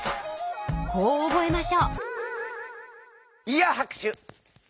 こう覚えましょう！